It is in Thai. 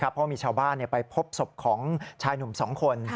เพราะมีชาวบ้านไปพบศพของชายหนุ่ม๒คน